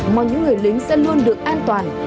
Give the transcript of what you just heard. mong những người lính sẽ luôn được an toàn